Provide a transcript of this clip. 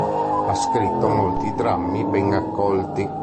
Ha scritto molti drammi ben accolti.